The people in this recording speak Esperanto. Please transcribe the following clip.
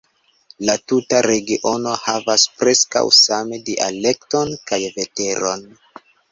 La tuta regiono havas preskaŭ same dialekton kaj veteron.